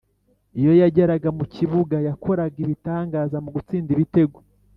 iyo yageraga mu kibuga yakoraga ibitangaza mu gutsinda ibitego